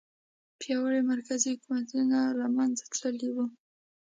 پیاوړي مرکزي حکومتونه له منځه تللي وو.